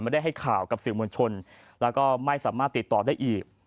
ได้ให้ข่าวกับสื่อมวลชนแล้วก็ไม่สามารถติดต่อได้อีก